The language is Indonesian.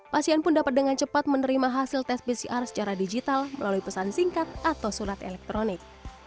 pasien pun dapat dengan cepat menerima hasil tes pcr secara digital melalui pesan singkat atau surat elektronik